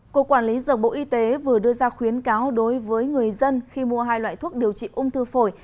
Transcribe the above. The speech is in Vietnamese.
cục quản lý dược bộ y tế vừa đưa ra khuyến cáo đối với người dân khi mua hai loại thuốc điều trị ung thư phổi